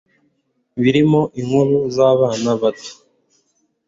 birimo inkuru z'abana bato